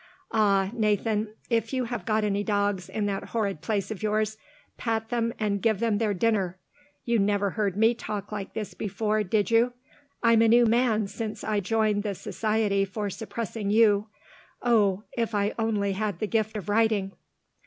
Ah, Nathan, if you have got any dogs in that horrid place of yours, pat them and give them their dinner! You never heard me talk like this before did you? I'm a new man since I joined the Society for suppressing you. Oh, if I only had the gift of writing!"